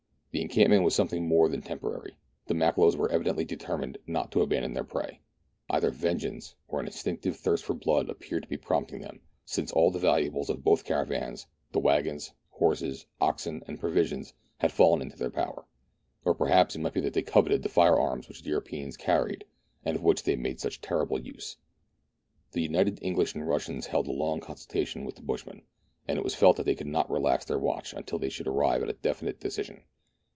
The encampment was something more than temporary; the Makololos were evidently determined not to abandon their prey. Either vengeance or an instinctive thirst for blood appeared to be prompting them, since all the valuables of both caravans, the waggons, horses, oxen, and provisions, had fallen into their power ; or perhaps it might be that they coveted the fire arms which the Europeans carried, and of which they made such terrible use. The united English and Russians held a long consultation with the bushman, and it was felt that they could not relax their watch until they should arrive at a definite decision.